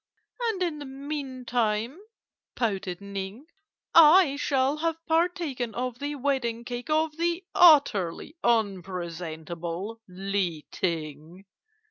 "'And in the meantime,' pouted Ning, 'I shall have partaken of the wedding cake of the utterly unpresentable Li Ting.